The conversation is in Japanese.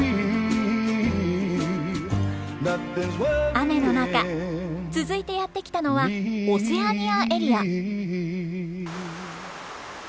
雨の中続いてやって来たのはオセアニアエリア。